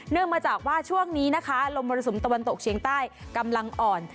มาจากว่าช่วงนี้นะคะลมมรสุมตะวันตกเชียงใต้กำลังอ่อน